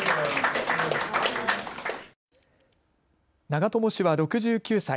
長友氏は６９歳。